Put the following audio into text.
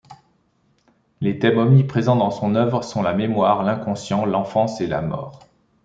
Les thèmes omniprésents dans son œuvre sont la mémoire, l’inconscient, l’enfance et la mort.